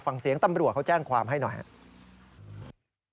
ฟังเสียงตำรวจเขาแจ้งความให้หน่อยครับ